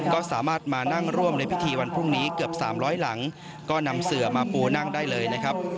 ก็สามารถมานั่งร่วมในพิธีวันพรุ่งนี้เกือบ๓๐๐หลังก็นำเสือมาปูนั่งได้เลยนะครับ